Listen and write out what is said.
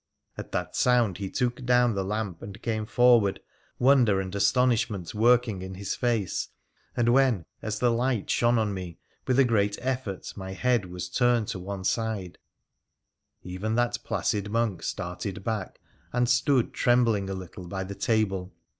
At that sound he took down the lamp and came forward, wonder and astonishment working in his face ; and when, as the light shone on me, with a great effort my head was turned to one side, even that placid monk started back and stood trembling a little by the table.